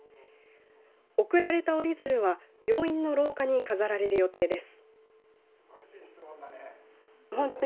贈られた折り鶴は病院の廊下に飾られる予定です。